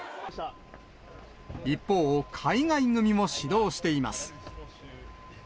一方、海外組も始動しています。